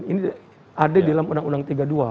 ini ada di dalam undang undang tiga puluh dua